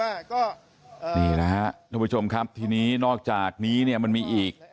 อ่านี่นะฮะทุกผู้ชมครับทีนี้นอกจากนี้เนี้ยมันมีอีก